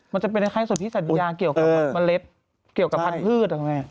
มันจะเป็นไข้ส่วนที่สัญญาเกี่ยวกับเมล็ดเกี่ยวกับพันธุ์